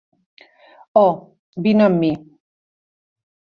Oh, vine amb mi.